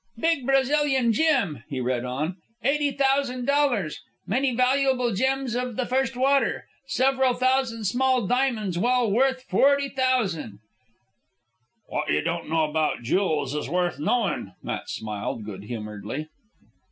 "Big Brazilian gem," he read on. "Eighty thousan' dollars many valuable gems of the first water several thousan' small diamonds well worth forty thousan'." "What you don't know about jools is worth knowin'," Matt smiled good humouredly.